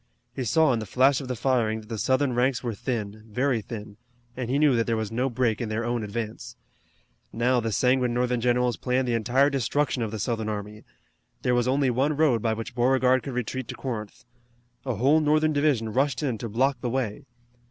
He saw in the flash of the firing that the Southern ranks were thin, very thin, and he knew that there was no break in their own advance. Now the sanguine Northern generals planned the entire destruction of the Southern army. There was only one road by which Beauregard could retreat to Corinth. A whole Northern division rushed in to block the way.